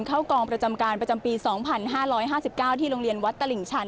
เข้ากองประจำการประจำปี๒๕๕๙ที่โรงเรียนวัดตลิ่งชัน